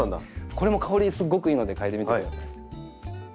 これも香りすっごくいいので嗅いでみてください。